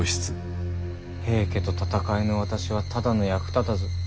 平家と戦えぬ私はただの役立たず。